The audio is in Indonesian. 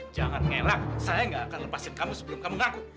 jangan ngelak saya gak akan lepasin kamu sebelum kamu ngaku